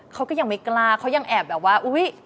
เขาก็ยังไม่กล้าเขายังแอบแบบว่าอุ๊ย